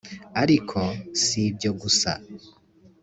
ariko si ibyo gusa